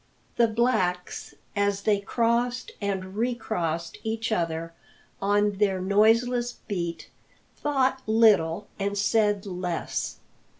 The blacks, as they crossed and recrossed each other on their noiseless beat, thought little and said less.